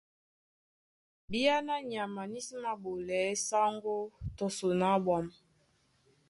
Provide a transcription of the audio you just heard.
Bìáná nyama ní sí māɓolɛɛ́ sáŋgó tɔ son á ɓwǎm̀.